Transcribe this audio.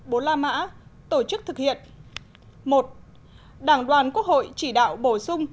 bố la mã tổ chức thực hiện